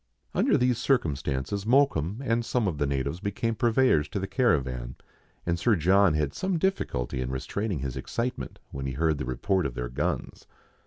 Under these circumstances, Mokoum and some of the natives became purveyors to the caravan, and Sir John had some difficulty in restraining his excitement when he heard the report of their guns.